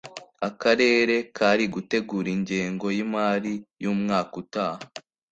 Akarere kari gutegura ingengo y imari y’umwaka utaha